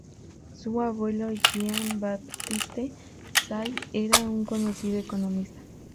Su abuelo Jean-Baptiste Say era un conocido economista.